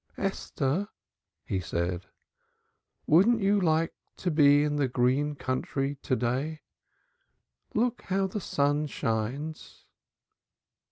"Esther," he said. "Wouldn't you like to be in the green country to day? Look how the sun shines."